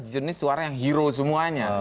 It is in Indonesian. jenis suara yang hero semuanya